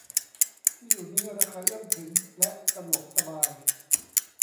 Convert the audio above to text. ที่อยู่นี้ราคาเอื้อมถึงและสะดวกสบาย